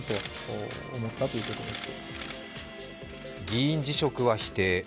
議員辞職は否定。